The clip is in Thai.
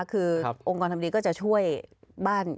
คือองค์กรทำดีก็จะช่วยบ้าน